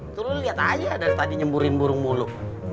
itu lu liat aja dari tadi nyemburin burung mulu